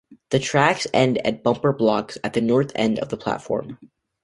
The tracks end at bumper blocks at the north end of the platform.